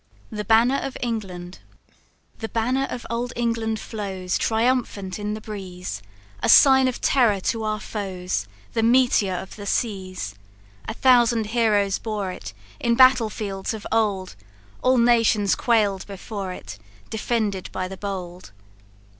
The Banner Of England. "The banner of old England flows Triumphant in the breeze A sign of terror to our foes, The meteor of the seas A thousand heroes bore it In battle fields of old; All nations quail'd before it, Defended by the bold.